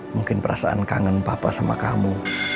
mungkin perasaan kangen papa sama kamu